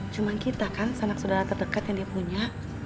cuma kita kan sanak saudara terdekat yang dia punya